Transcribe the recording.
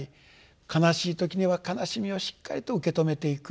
悲しい時には悲しみをしっかりと受け止めていく。